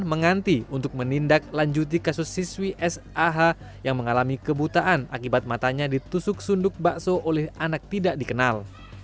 menganti untuk menindaklanjuti kasus siswi sah yang mengalami kebutaan akibat matanya ditusuk sunduk bakso oleh anak tidak dikenal